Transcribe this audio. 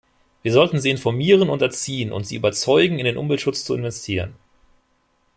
Wir sollten sie informieren und erziehen und sie überzeugen, in den Umweltschutz zu investieren.